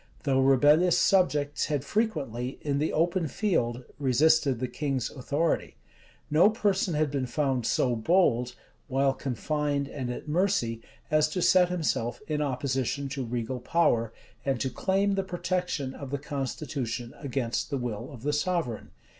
Though rebellious subjects had frequently, in the open field, resisted the king's authority, no person had been found so bold, while confined and at mercy, as to set himself in opposition to regal power, and to claim the protection of the constitution against the will of the sovereign.